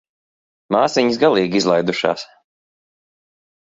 Māsiņas galīgi izlaidušās.